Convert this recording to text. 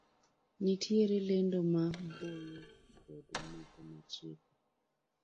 Nitiere lendo ma boyo kod moko ma chieko.